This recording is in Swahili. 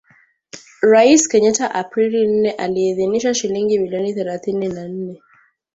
Rais Kenyatta Aprili nne aliidhinisha shilingi bilioni thelathini na nne